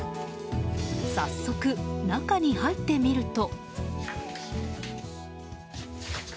早速、中に入ってみると。